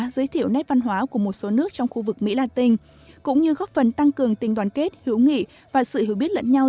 giới thiệu nét văn hóa của một số nước trong khu vực mỹ la tinh cũng như góp phần tăng cường tình đoàn kết hữu nghị và sự hiểu biết lẫn nhau